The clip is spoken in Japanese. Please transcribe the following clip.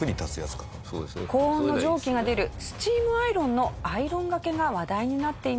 高温の蒸気が出るスチームアイロンのアイロン掛けが話題になっています。